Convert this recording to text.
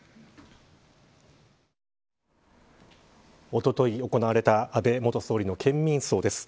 おととい行われた安倍元総理の県民葬です。